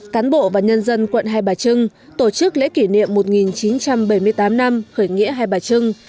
cán bộ và nhân dân quận hai bà trưng tổ chức lễ kỷ niệm một nghìn chín trăm bảy mươi tám năm khởi nghĩa hai bà trưng